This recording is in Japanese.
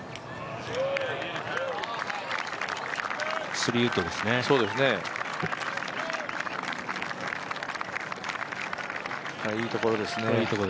３ウッドですね、いいところですね。